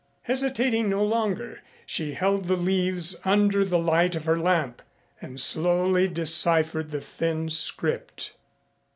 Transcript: Hesitating no longer, she held the leaves under the light of her lamp and slowly deciphered the thin script.